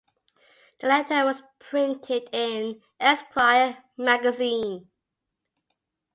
The letter was printed in Esquire Magazine.